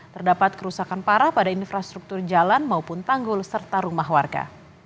terdapat kerusakan parah pada infrastruktur jalan maupun tanggul serta rumah warga